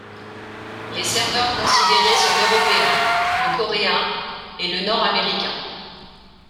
Les serveurs considérés sont l'européen, le coréen, et le nord-américain.